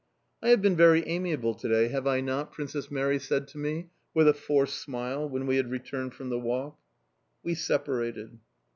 "I have been very amiable to day, have I not?" Princess Mary said to me, with a forced smile, when we had returned from the walk. We separated.